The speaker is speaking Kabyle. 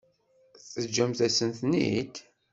Teǧǧamt-asen-ten-id?